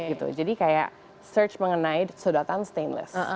sehingga search mengenai sudotan stainless